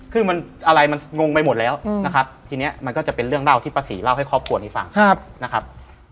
คือมันอะไรมันงงไปหมดแล้วนะครับทีนี้มันก็จะเป็นเรื่องเล่าที่ป้าศรีเล่าให้ครอบครัวนี้ฟังนะครับ